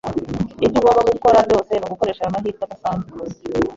Ibyo ugomba gukora byose ni ugukoresha aya mahirwe adasanzwe.